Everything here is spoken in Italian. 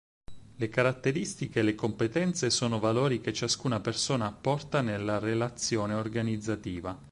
Le caratteristiche e le competenze sono valori che ciascuna persona apporta nella relazione organizzativa.